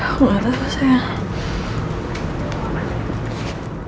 aku gak tau sayang